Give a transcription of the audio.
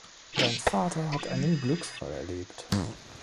Dein Vater hat einen Glücksfall erlebt.